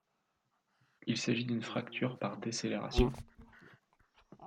Il s'agit d'une fracture par décélération.